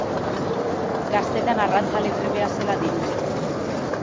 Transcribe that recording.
Gaztetan arrantzale trebea zela dirudi.